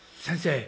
先生！